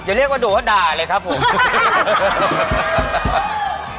เดี๋ยวเรียกว่าดอดาเลยคับผม